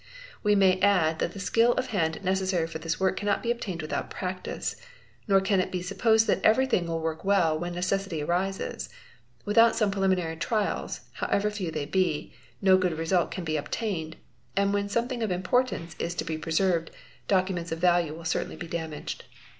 We may add that the skill of hand necessary for this work cannot be obtained without practice, nor can it be supposed that everything will work well when necessity arises; without some preliminary trials—however few they be—no good eT nl Dan Th! Se result can be obtained, and when something of importance is to be pre served, documents of value will certainly be damaged.